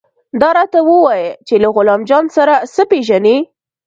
دا راته ووايه چې له غلام جان سره څه پېژنې.